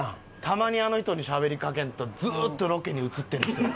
たまにあの人にしゃべりかけんとずっとロケに映ってる人に。